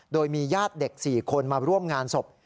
โดยมีญาติเด็ก๔คนมาร่วมงานศพ